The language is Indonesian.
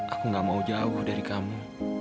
aku gak mau jauh dari kamu